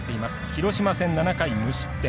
広島戦７回無失点。